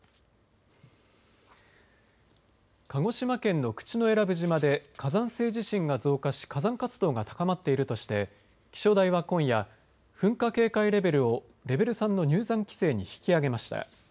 鹿児島県の口永良部島で火山性地震が増加し火山活動が高まっているとして気象台は今夜噴火警戒レベルをレベル３の入山規制に引き上げました。